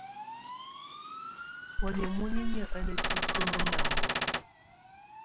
Wamɛ̀á muninyǝ́ á ná tikǝ́nǝ́ ná mɔ̀na.